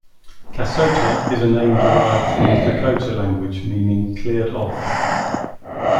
Kasota is a name derived from the Dakota language meaning "cleared off".